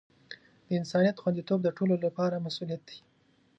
د انسانیت خوندیتوب د ټولو لپاره مسؤولیت دی.